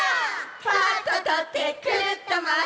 「パッととってくるっとまわして」